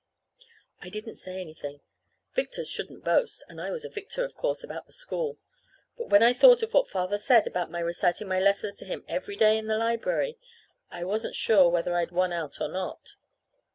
I didn't say anything. Victors shouldn't boast and I was a victor, of course, about the school. But when I thought of what Father had said about my reciting my lessons to him every day in the library I wasn't so sure whether I'd won out or not.